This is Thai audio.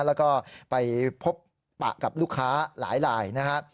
แล้วก็ไปพบปะกับลูกค้าหลายลายนะครับ